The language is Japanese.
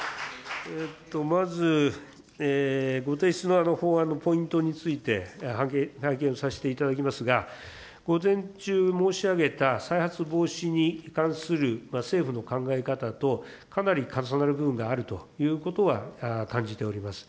まずご提出の法案のポイントについて、拝見させていただきますが、午前中申し上げた、再発防止に関する政府の考え方と、かなり重なる部分があるということは感じております。